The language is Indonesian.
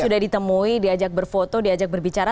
sudah ditemui diajak berfoto diajak berbicara